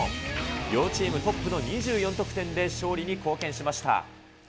両チームトップの２４得点で勝利に貢献しました。